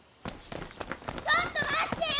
ちょっと待ってよ！